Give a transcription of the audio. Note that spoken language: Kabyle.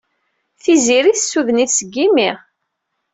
Tiziri tessuden-it seg yimi.